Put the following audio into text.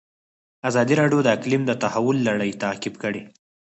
ازادي راډیو د اقلیم د تحول لړۍ تعقیب کړې.